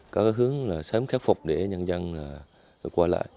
có hướng sớm khép phục để nhân dân quay lại